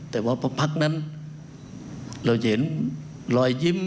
แต่พระพรรคนั้นเราจะเห็นลอยยิ้ม